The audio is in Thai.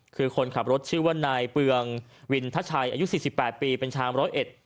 คือคนขับรถชื่อว่านายเปืองวินทัชชัยอายุ๔๘ปีเป็นชาวร้อยเอ็ด